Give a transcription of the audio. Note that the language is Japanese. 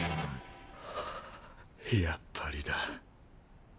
あぁやっぱりだ。